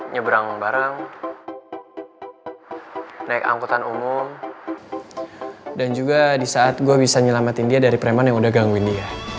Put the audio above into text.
nyeberang bareng naik angkutan umum dan juga disaat gue bisa nyelamatin dia dari preman yang udah gangguin dia